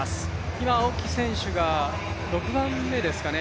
今、青木選手が、６番目ですかね